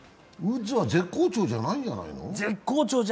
ウッズは絶好調じゃないんじゃないの？